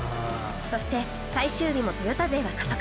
そして最終日もトヨタ勢は加速